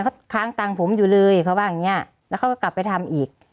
เขาค้างตังค์ผมอยู่เลยเขาว่าอย่างเงี้ยแล้วเขาก็กลับไปทำอีก